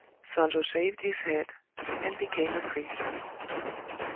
Sonjō shaved his head, and became a priest.